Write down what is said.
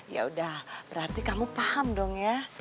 yaudah berarti kamu paham dong ya